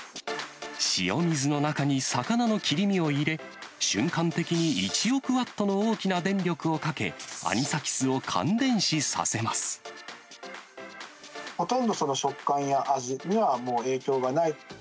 塩水の中に魚の切り身を入れ、瞬間的に１億ワットの大きな電力をかけ、ほとんど、食感や味にはもう影響がない。